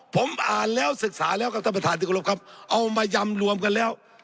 ผมอ่านแล้วศึกษาแล้วครับท่านประธานที่กรบครับเอามายำรวมกันแล้ว